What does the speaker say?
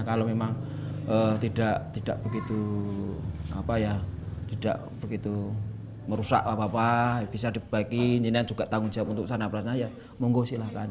kalau memang tidak begitu merusak apa apa bisa dibuat baik ini juga tanggung jawab untuk sana perasanya ya mohon silakan